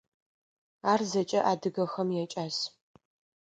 Ар зэкӏэ адыгэхэм якӏас.